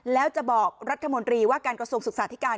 แล้วจะบอกรัฐมนตรีว่าการกระทรวงศึกษาธิการ